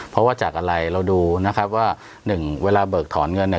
เพราะว่าจากอะไรเราดูนะครับว่าหนึ่งเวลาเบิกถอนเงินเนี่ย